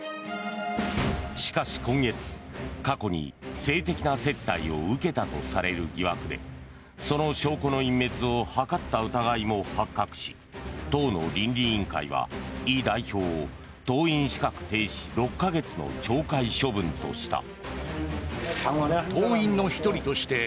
しかし今月、過去に性的な接待を受けたとされる疑惑でその証拠の隠滅を図った疑いも発覚し党の倫理委員会は、イ代表を党員資格停止６か月の懲戒処分とした。